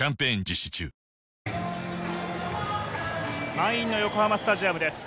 満員の横浜スタジアムです。